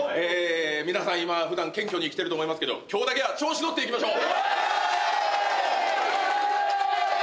皆さん今、ふだん謙虚に生きていると思いますけど今日だけは調子乗っていきましょう。